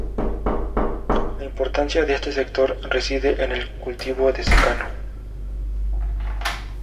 La importancia de este sector reside en el cultivo de secano.